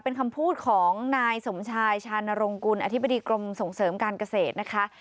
เป็นคำพูดของนายสมชายชานรงกุลอธิบดีกรมส่งเสริมการเกษตรนะคะ